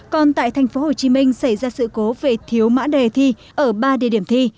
còn tại thành phố hồ chí minh xảy ra sự cố về thiếu mã đề thi ở ba địa điểm thi